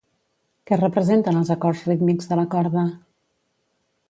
Què representen els acords rítmics de la corda?